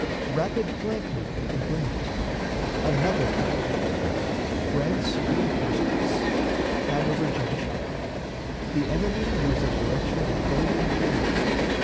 Rapid Flank Movement of Grant. Another Contest. Grant's Reënforcements. Hanover Junction. The Enemy moves in Direction of Bowling Green.